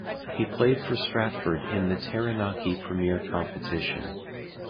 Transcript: He played for Stratford in the Taranaki premier competition.